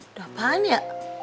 udah apaan ya